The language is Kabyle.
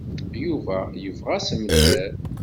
Yuba yebɣa assemter.